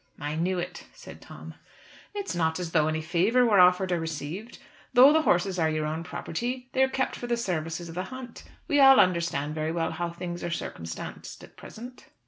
"I knew it," said Tom. "It's not as though any favour were offered or received. Though the horses are your own property, they are kept for the services of the hunt. We all understand very well how things are circumstanced at present."